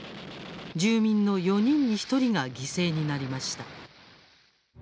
住民の４人に１人が犠牲になりました。